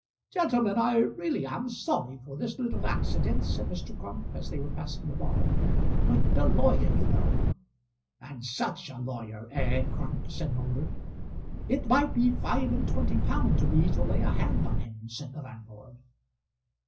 ] "Gentlemen, I really am sorry for this little accident," said Mr. Crump, as they were passing the bar; "but a lawyer, you know " "And such a lawyer, eh, Crump?" said Moulder. "It might be five and twenty pound to me to lay a hand on him!" said the landlord.